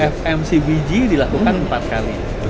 fmcbg dilakukan empat kali